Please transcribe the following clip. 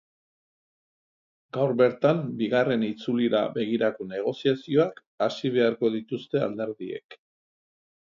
Gaur bertan bigarren itzulira begirako negoziazioak hasi beharko dituzte alderdiek.